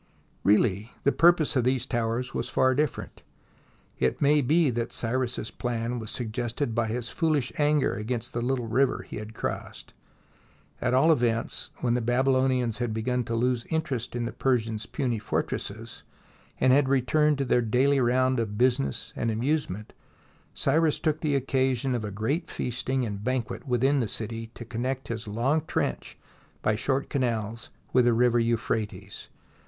Really the purpose of these towers was far different. It may be that Cyrus's plan was suggested by his foolish anger against the little river he had crossed. At all events, when the Babylonians had begun to lose interest in the Persians' puny fortresses, and had returned to their daily round of business and amusement, Cyrus took the occasion of a great feasting and banquet within the city to connect his long trench by short canals with the river Euphrates.